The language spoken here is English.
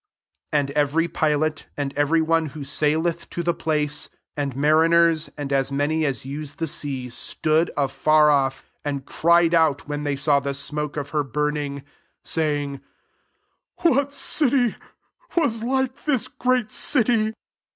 And every pilot, and every one who saileth to the place, and mariners, and as many as use the sea, stood afar off, 18 and cried out, when they saw the smoke ' of her burning, saying, * What city was like this great city